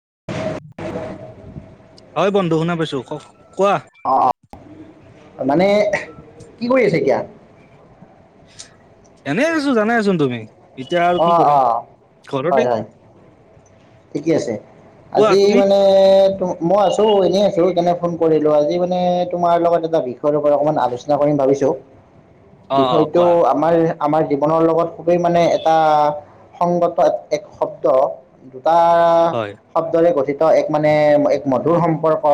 [unintelligible] [unintelligible] হয় বন্ধু শুনা পাইছো কক কোৱা। অ' মানে কি কৰি আছে এতিয়া? এনেই আছো জানাইচোন তুমি এতিয়া আৰু কি অ' কৰিম অ' হয় ঘৰতে। হয় ঠিকে আছে, কোৱা আজি তুমি মানে ত মই আছো। অ এনে আছো তেনে ফোন কৰিলো আজি মানে তোমাৰ লগত এটা বিষ তোমাৰ লগত অকণমান আলোচনা কৰিম ভাবিছোঁ, অ অ বিষয়টো কোৱা আমাৰ আমাৰ জীৱনৰ লগত খুবেই মানে এটা সংগত এক শব্দ। তা, হয় শব্দৰে গঠিত এক মানে, এক মধুৰ সম্পৰ্ক।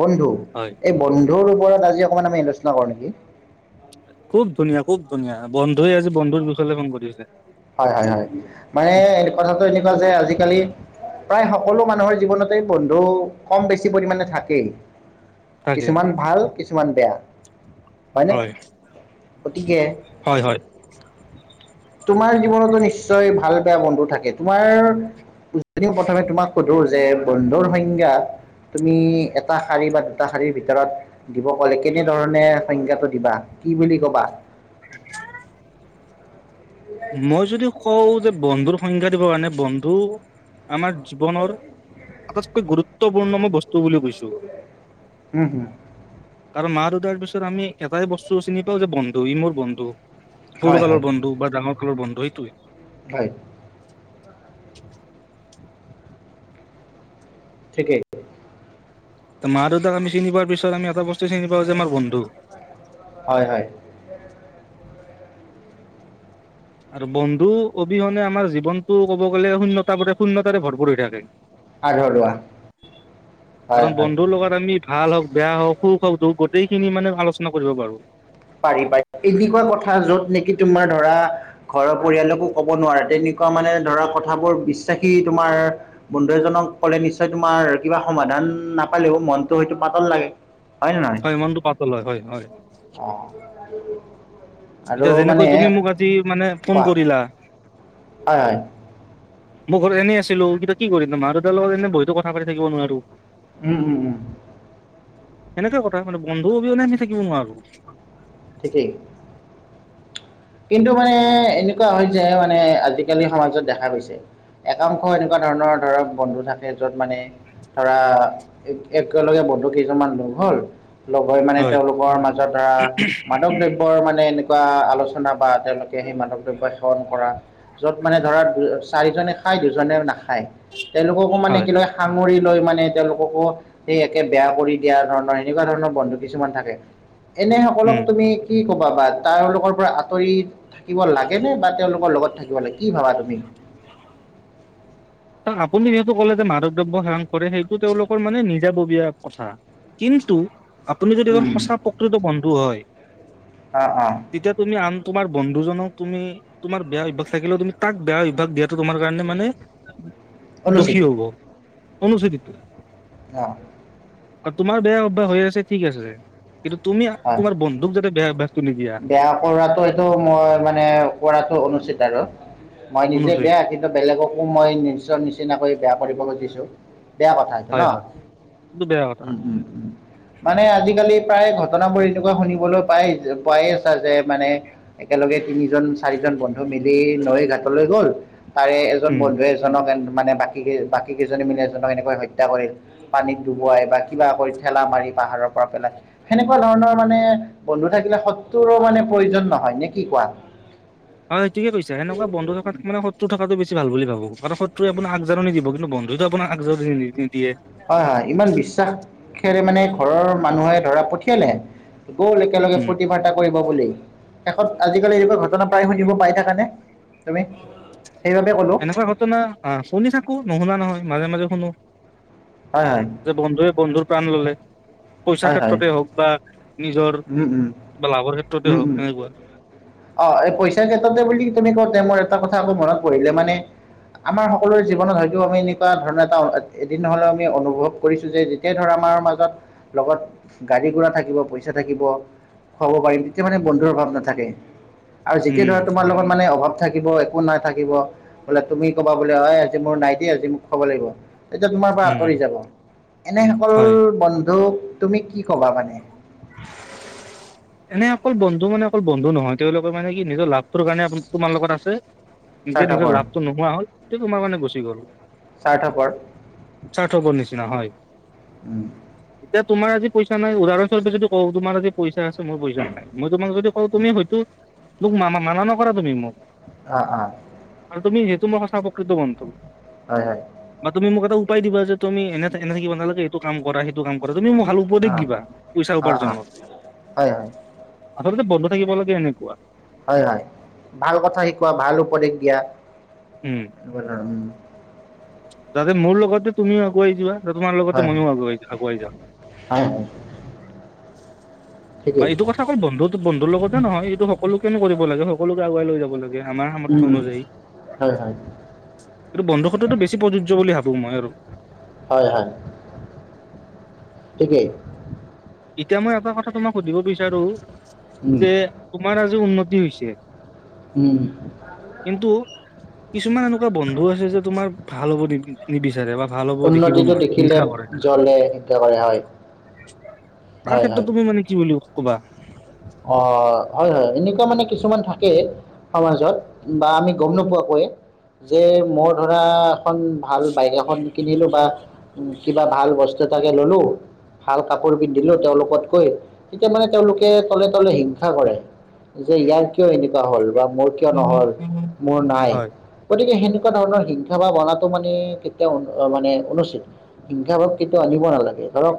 বন্ধু, হয় এই বন্ধুৰ ওপৰত আজি, অকনমান আমি আলোচনা কৰো নেকি? খুব ধুনীয়া, খুব ধুনীয়া, বন্ধুৱে আজি বন্ধুৰ বিষয়ে লৈ ফোন কৰিছে। হয়, হয়, হয়, মানে কথাটো এনেকুৱা যে, আজিকালি প্ৰায়, সকলো মানুহৰ জীৱনতে, বন্ধু কম বেছি পৰিমানে থাকেই। তাকে কিছুমান ভাল, কিছুমান বেয়া। হয়নে, হয় গতিকে হয় হয় তোমাৰ জীৱনতো নিশ্চয়, ভাল-বেয়া বন্ধু থাকে। তোমাৰ প্ৰথমে, তোমাক সোধো যে, বন্ধুৰ সংজ্ঞা তুমি, এটা শাৰী, বা দুটা শাৰীৰ ভিতৰত দিব ক'লে, কেনেধৰণে সংজ্ঞাটো দিবা, কি বুলি ক'বা? মই যদি কওঁ যে, বন্ধুৰ সংজ্ঞা দিব কাৰণে, বন্ধু আমাৰ জীৱনৰ, আটাইতকৈ গুৰুত্বপূৰ্ণ মই বস্তু বুলি কৈছোঁ। উম, হম। আৰু মা-দেউতাৰ পিছত আমি এটাই বস্তু চিনি পাওঁ যে, বন্ধু, ই মোৰ বন্ধু। সৰু হয় হয় কালৰ বন্ধু বা ডাঙৰ কালৰ বন্ধু, সেইটোৱে। হয়। ঠিকেই। মা-দেউতাক আমি চিনি পোৱাৰ পিছত আমি, এটা বস্তুৱে চিনি পাওঁ যে আমাৰ বন্ধু। হয়, হয়। আৰু, বন্ধু অবিহনে, আমাৰ জীৱনটো ক'ব গ'লে, শূণ্যতাবোৰে, শূন্যতাৰে ভৰপুৰ হৈ থাকে। আধৰুৱা হয় কাৰণ, হয় বন্ধুৰ লগত আমি ভাল হওক, বেয়া হওক সুখ হওঁক, দুখ হওঁক, গোটেই খিনি মানে আলোচনা কৰিব পাৰোঁ। পাৰি পাৰি এনেকুৱা কথা যত নেকি তোমাৰ ধৰা ঘৰৰ পৰিয়ালকো কব নোৱাৰে তেনে এনেকুৱা মানে ধৰা কথাবোৰ বিশ্বাসী তোমাৰ বন্ধু এজনক ক'লে নিশ্চয় তোমাৰ কিবা সমাধান [unintelligible] নাপালেও মনতো হয়তো পাতল লাগে। হয় মনটো পাতল হয়, হয় হয়। অহ এতিয়া যেনেকৈ তুমি মোক আজি মানে ফোন কোৱা কৰিলা হয় হয়। মই ঘৰত এনেই আছিলো কিন্তু কি কৰিম মা, দেউতাৰ লগত এনেই বহিটো কথা পাতি থাকিব নোৱাৰোঁ। উম, উম উম। সেনেকুৱা কথা, মানে বন্ধু অবিহনে আমি থাকিব নোৱাৰোঁ। ঠিকেই কিন্তু মানে এনেকুৱা হয় যে, মানে আজিকালি সমাজত দেখা গৈছে। একাংশ এনেকুৱা ধৰণৰ ধৰক, বন্ধু থাকে। তহ মানে ধৰা, একেলগে বন্ধু কেইজনমান লগ হল। লগ হৈ মানে হয় তেওঁলোকৰ মাজত ধৰা, মাদক দ্ৰব্যৰ মানে এনেকুৱা আলোচনা বা তেওঁলোকে সেই মাদক দ্ৰব্য সেৱন কৰা, য'ত মানে ধৰা চাৰিজনে খাই দুজনে নাখায় পায়, তেওঁলোককো মানে কি হয় একেলগে সামৰি লৈ মানে তেওঁলোককো সেই একে বেয়া কৰি দিয়া ধৰণৰ সেনেকুৱা ধৰণৰ বন্ধু কিছুমান থাকে। এনে সকলক উম তুমি কি কবা, বা তাওলোকৰ পৰা বাতৰি থাকিব লাগে নে বা তেওঁলোকৰ লগত থাকিব লাগে কি ভাবা তুমি? [inaudible] ত আপুনি যিহেতু কলে যে মাদক দ্ৰব্য সেৱন কৰে সেইটো তেওঁলোকৰ মানে নিজাববীয়া কথা। কিন্ত। আপুনি যদি এজন উম সঁচা প্ৰকৃত বন্ধু হয় অ অ তেতিয়া তুমি আন তোমাৰ বন্ধুজনক তুমি তোমাৰ বেয়া অভ্যাস থাকিলেও তুমি তাক বেয়া অভ্যাস দিয়াটো তোমাৰ কাৰণে মানে দক্ষি অনুচিত হব অনুসূচিত। অঁ। তোমাৰ বেয়া অভ্যাস হৈ আছে ঠিক আছে। কিন্তু তুমি হয় তোমাৰ বন্ধুক যাতে বেয়া অভ্যাসটো নিদিয়া বেয়া কৰাটো এইটো মই মানে কৰাটো অনুচিত আৰু। মই নিজে অনুচিত বেয়া কিন্তু বেলেগকো মই নিজৰ নিচিনাকৈ বেয়া কৰিব খুজিছো। বেয়া কথা এইটো ন হয় হয় এইটো বেয়া কথা উম, উম, উম মানে আজিকালি প্ৰায় ঘটনাবোৰ এনেকুৱা শুনিবলৈ পাই পাইয়ে আছা যে মানে একেলগে তিনিজন-চাৰিজন বন্ধু মিলি নৈ ঘাটলৈ গল তাৰে এজন উম বন্ধু এজনক মানে বাকী কেই বাকী কেইজনী মিলি এজনক এনেকৈ হত্যা কৰিল পানীত ডুবুৱাই বা কিবা কৰি ঠেলা মাৰি পাহাৰৰ পৰা পেলাই। সেনেকুৱা ধৰণৰ মানে বন্ধু থাকিলে সত্ৰুৰো মানে প্ৰয়োজন নহয় নে কি কোৱা? হয় সেইটোকে কৈচা সেনেুৱা বন্ধু থকাতকৈ মানে শত্ৰু থকাতটো বেছি ভাল বুলি ভাবো। শত্ৰুৱে আপোনাক আগজাননি দিব কিন্ত বন্ধুতটো আপোনাক আগজাননি নিদিয়ে। হয় হয় ইমান বিশ্বাসেৰে মানে ঘৰৰ মানুহে ধৰা পঠিয়ালে। গ'ল একেলগে উম ফূৰ্তি ফাৰ্তা কৰিব বুলি শেষত আজিকালি এনেকুৱা ঘ পাই শুনিব পাই থাকা নে? এনেকুৱা ঘটনা আহ শুনি থাকো নশুনা নহয় মাজে মাজে শুনো হয় হয় যে বন্ধুৱে বন্ধুৰ প্ৰাণ ললে পইচাৰ হয় হয় ক্ষেত্ৰতে হওক বা নিজৰ উম উম লাভৰ ক্ষেত্ৰতে উম উম হওক সেনেকুৱা অ এই পইচা ক্ষেত্ৰতে বুলি তেনেকুৱাতে মোৰ এটা কথা আকৌ মনত পৰিলে মানে আমাৰ সকলোৰে জীৱনত হয়তো আমি এনেকুৱা ধৰণৰ এটা এদিন নহলেও আমি অনুভৱ কৰিছো যেতিয়া ধৰা আমাৰৰ মাজত লগত গাড়ী ঘোৰা থাকিব পইচা থাকিব খুৱাব পাৰিম তেতিয়া মানে বন্ধুৰ অভাৱ নাথাকে আৰু যেতিয়া উম, ধৰা তোমাৰ হয়, লগত মানে অভাৱ থাকিব একো নাই থাকিব। বোলে তুমি ক'বা বোলে অই আজি মোৰ নাই দি, আজি মোক খোৱাব লাগিব। তেতিয়া তোমাৰ পৰা উম, আঁতৰি যাব এনে সকল হয়। বন্ধুক তুমি কি ক'বা মানে? [inaudible] এনে অকল বন্ধু মানে অকল বন্ধু নহয়। তেওঁলোকে মানে কি নিজৰ লাভটোৰ কাৰণে তোমাৰ লগত আছে। নিজে নিজৰ স্বাৰ্থপৰ লাভটো নোহোৱা হ'ল সেই তোমাৰ মানে গুচি গ'ল স্বাৰ্থপৰ। ন হয় উম। এতিয়া তোমাৰ আজি পইচা নাই। উদাৰণস্বৰূপে যদি কওঁ তোমাৰ আজি পইচ মোৰ পইচা নাই মই তোমাক যদি কওঁ উম, তুমি হয়তো মোক মা মানা নকৰা তুমি মোক অ অ আৰু তুমি সেইটো মই সঁচা প্ৰকৃত কন্ঠ। হয় হয় বা তুমি মোক এটা উপাই দিবা যে তুমি এনে এনে থাকিব নালাগে, এইটো কাম কৰা সেইটো কাম কৰা। তুমি মোক ভাল উপদেশ অ দিবা। পইচা অ উপাৰ্জন অ হয় হয় আচলতে বন্ধু থাকিব লাগে এনেকুৱা হয় হয়। ভাল কথা শিকোৱা, ভাল উপদেশ দিয়া এনেকুৱা ধৰণ। উম। ততে মোৰ লগতো তুমি আগুৱ আহ যছা তোমাৰ লগতে হয় হয় মনও আগুৱাই আগুৱাই যা হয় হয় বা ঠিকেই এইটো কথা অকল বন্ধুত বন্ধুৰ লগতে নহয় এইটো সকলোকে কৰিব লাগে সকলোকে আগুৱাই লৈ যাব লাগে আমাৰ সামৰ্থ্য উম উম অনুযায়ী। হয় হয় কিন্তু বন্ধুসত্বটো বেছি প্ৰযোজ্য বুলি ভাৱোঁ। ডুম আৰু হয় হয়। ঠিকেই। এতিয়া মই এটা কথা তোমাক সুধিব বিচাৰো উম যে তোমাৰ আজি উন্নতি হৈছে। উম কিন্তু কিছুমান এনেকুৱা বন্ধু আছে যে তোমাৰ ভাল হ'ব নিবিচাৰে বা ভাল হ'ব দেখিব উন্নতিটো নোৱাৰে দেখিলে হিংসা কৰে জলে সিন্তা কৰে হয় তাৰ হয় ক্ষেত্ৰত হয় তুমি মানে কি বুলি কবা অ হয় হয় এনেকুৱা মানে কিছুমান থাকে সমাজত বা আমি গম নোপোৱাকৈয়ে যে মই ধৰা এখন ভাল বাইক এখন কিনিলো বা উম, কিবা ভাল বস্তু এটাকে ল'লোঁ। ভাল কাপোৰ পিন্ধিলোঁ তেওঁলোকতকৈ, তেতিয়া মানে তেওঁলোকে তলে তলে হিংসা কৰে যে ইয়াৰ কিয় এনেকুৱা হ'ল বা মোৰ কিয় নহ'ল, মোৰ নাই। হয় গতিকে সেনে এনেকুৱা ধৰণৰ হিংসা ভাৱ অনাটো মানে কেতিয়াও মানে অনুচিত। হিংসা ভাৱ কেতিয়াও আনিব নালাগে। ধৰক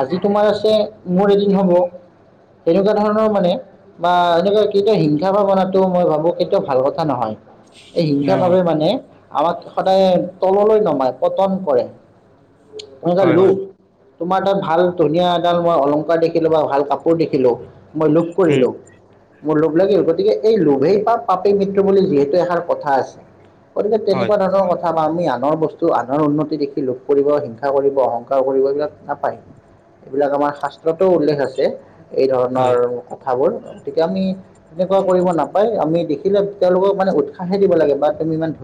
আজি তোমাৰ আছে মোৰ এদিন হব [inaudible] তেনেকুৱা ধৰণৰ মানে বা এনেকুৱা কেতিয়া হিংসা-ভাৱনাটো মই ভাৱোঁ কেতিয়াও ভাল কথা নহয়। এই হিংসা ভাৱে নহয় মানে আমাক সদায় তললৈ নমায় পতন কৰে এনেুৱা হয় লোভ হয় তোমাৰ তাত ভাল, ধুনীয়া এডাল মই অলংকাৰ দেখিলোঁ বা ভাল কাপোৰ দেখিলোঁ। মই লোপ উম কৰিলোঁ মোৰ লোভ লাগিল। গতিকে এই লোভেই পাপ পাপেই মৃ্ত্যু বুলি যিহেতু এষাৰ কথা আছে। গতিকে হয় তেনেকুৱা ধৰণৰ কথা আমি আনৰ বস্তু আনৰ উন্নতি দেখি লোভ কৰিব, হিংসা কৰিব, অহংকাৰ কৰিব এইবিলাক নাপায়। এইবিলাক আমাৰ শাস্ত্ৰতো উল্লেখ আছে এই হয় ধৰণৰ কথাবোৰ।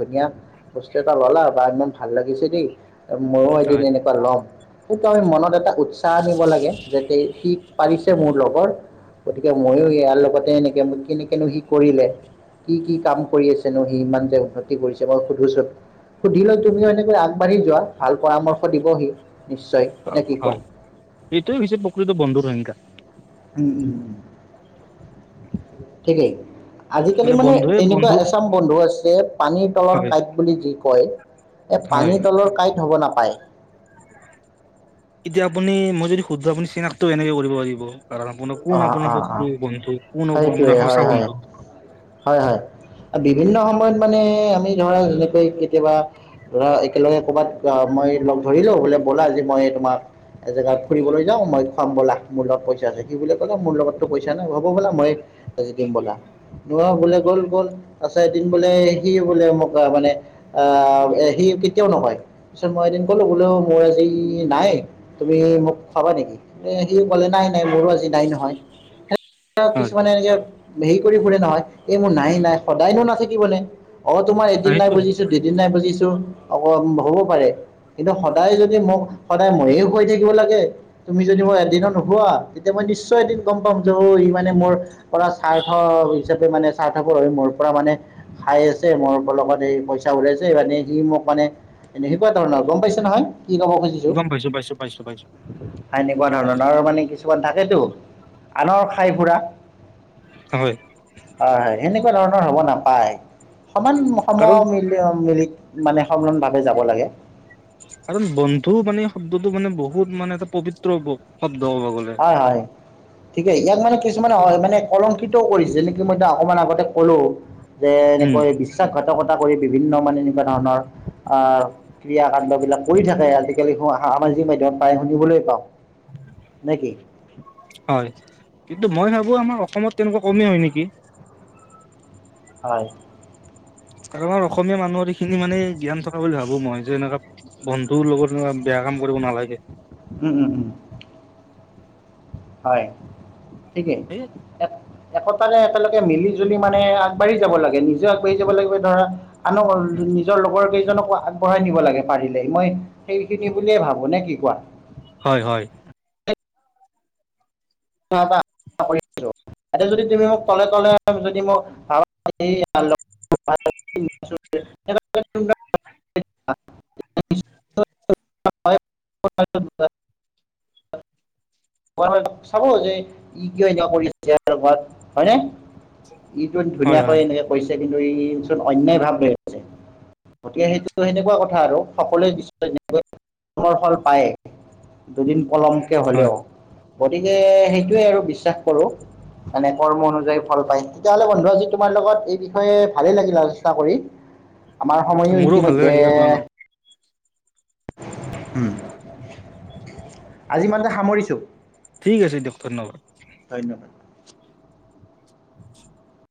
[inaudible] ধুনীয়া বস্তু এটা ল'লা বা ইমান ভাল লাগিছে দেই। ময়ো এদিন হয় এনেকুৱা ল'ম। সুপাৱে মনত এটা উৎচাহ আনিব লাগে। যাতে সি পাৰিছ মোৰ লগৰ। গতিকে ময়ো ইয়াৰ লগতে এনেকে কেনেকেনো সি কৰিলে কি কি কাম কৰি আছে নো সি ইমান যে উন্নতি কৰিছে মই সুধোচোন সুধিলৈ তুমিও এনেকৈ আগবাঢ়ি যোৱা ভাল পৰামৰ্শ দিব সি নিশ্চয় নে কি কোৱা হয় এইটোৱে হৈছে পুখুৰীটো বন্ধুৰংকা উম উম ঠিকেই আজিকালি মানে বন্ধুৱে এনেকুৱা বন্ধুৰ এচাম বন্ধু আছে পানীৰ তলৰ হয় কাঁইট বুলি যি কয় হয় পানীৰ তলৰ কাঁইট হ'ব নাপায় এতিয়া আপুনি মই যদি সোধো আপুনি চিনাক্ত কেনেকে কৰিব পাৰিব কাৰণ আপোন কোন অ', আপোনাৰ অ', অ', শত্ৰু বন্ধু কোন সেইটোৱে আপোনাৰ হয়, সঁচা হয়। বন্ধু হয় হয় বিভিন্ন সময়ত মানে আমি ধৰা যেনেকৈ কেতিয়াবা ধৰা একেলগে ক'ৰবাত মই লগ ধৰিলো বোলে ব'লা আজি মই তোমাক এজেগাত ফুৰিবলৈ যাও মই খুৱাম বলা মোৰ লগত পইচা আছে সি বোলে ক'লে মোৰ লগতো পইচা নাই হ'ব ব'লা মই দি দিম ব'লা [unintelligible] বোলে গ'ল গ'ল আচ্ছা এদিন বোলে সি বোলে মোক তা মানে আহ সি কেতিয়াও নকয় পিছত মই এদিন কলো বোলে মোৰ আজি নাই তুমি মোক খোৱাবা নেকি সি কলে নাই নাই মোৰো আজি নাই নহয় [unintelligible] হয় কিছুমানে এনেকে হেৰি কৰি ফুৰে নহয় এই মোৰ নাই নাই সদায়নো নাথাকিবনে অ' তোমাৰ এদিন নাই সেইটোয়ে বুজিছোঁ, দুদিন নাই বুজিছোঁ। টো হ'ব পাৰে, কিন্তু সদায় যদি মোক সদায় ময়ে খুৱাই থাকিব লাগে তুমি যদি মোক এদিনো নোখোৱা। তেতিয়া মই নিশ্চয় এদিন গ'ম পাম যে অ' ই মানে মোৰ পৰা স্বাৰ্থ হিচাপে মানে স্বাৰ্থপৰ হৈ মোৰ পৰা মানে খাই আছে, মোৰ লগত সি পইচা ওলাইছে মানে সি মোক মানে এনেকুৱা কোৱা ধৰণৰ গ'ম পাইছে নহয়। কি ক'ব খুজিছোঁ, গম পাইছো পাইছো পাইছো পাইছো এনেকুৱা ধৰণৰ আৰু মানে কিছু পুৱাত ডাকেতো আনৰ খাই ফুৰা। হয়। হয়, হয় সেনেকুৱা ধৰণৰ হ'ব নাপায়, সমান সম কাৰণ মিল মিলি মানে সমৰন ভাৱে যাব লাগে। কাৰণ বন্ধু মানে শব্দটো মানে বহুত মানে এটা পবিত্ৰ বক শব্দ দৰ ক'ব গ'লে ঠিকে ইয়াক মানে কিছুমানে হয় মানে কলংকিত কৰিছে যেনেকি মই অকমান আগতে কলোঁ। যে উম এনেকৈ বিশ্বাসঘাতকতা কৰি বিভিন্ন মানে এনেকুৱা ধৰণৰ আহ ক্ৰিয়া কাণ্ড বিলাক কৰি থাকে আজিকালি সামাজিক মাধ্যমত প্ৰায় শুনিবলৈ পাওঁ। নে কি হয় কিন্তু মই ভাবোঁ আমাৰ অসমত তেনেকুৱা কমেই হয় নেকি? হয়। আৰু আমাৰ অসমীয়া মানুহৰ এইখিনি মানে জ্ঞান থকা বুলি ভাবোঁ। মই যে এনেকুৱা বন্ধুৰ লগত বেয়া কাম কৰিব নালাগে। উম, উম, উম। হয়, ঠিকেই ইয়াত একতাৰে একেলগে মিলি জুলি মানে আগবাঢ়ি যাব লাগে, নিজেও আগবাঢ়ি যাব লাগিব ধৰা আনৰ নিজৰ লগৰ কেইজনক কো আগবঢ়াই নিব লাগে পাৰিলে, মই সেইখিনি বুলিয়ে ভাবো। নে কি কোৱা? হয় হয়। [unintelligible] এতিয়া যদি তুমি মোক তলে তলে যদি মোক [unintelligible] [unintelligible] [unintelligible] [unintelligible] চাব যে ই কিয় এনেকুৱা কৰি আছে ইয়াৰ লগত, হয়নে? ইটোন হয় হয় ধুনীয়াকৈ এনেকে কৈছে কিন্তু ইচোন অন্যায় ভাৱ লৈ আছে। গতিকে সেইটো সেনেকুৱা কথা আৰু সকলোৱে নিশ্চয় এনেকৈ কৰ্মৰ ফল পায়। দুদিন পলমকে হয় হলেও, গতিকে সেইটোৱে আৰু বিশ্বাস কৰো। মানে কৰ্ম অনুযায়ী ফল পায়, তেতিয়াহলে বন্ধু আজি তোমাৰ লগত এই বিষয়ে ভালেই লাগিল আলোচনা কৰি। আমাৰ সময়ো মোৰো ভালে লাগিল আপোনাৰ লগত। উম, আজি ইমানতে সামৰিছো। ঠিক আছে দিয়ক ধন্যবাদ। [inaudible]